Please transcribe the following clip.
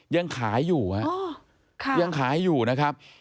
ยังขายอยู่นะครับ